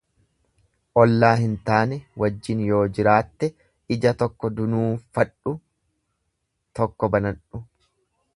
Ollaa hin taane wajjin yoo jiraatte ija tokko dunuuffadhu tokko banadhu.